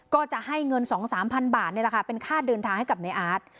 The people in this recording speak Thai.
ก็จะให้เงิน๒๓พันบาทเป็นค่าเดินทางให้กับนายอาร์ต